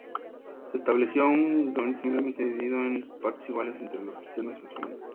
Se estableció un gabinete similarmente dividido en partes iguales entre los Cristianos y Musulmanes.